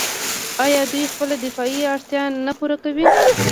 آیا دوی خپله دفاعي اړتیا نه پوره کوي؟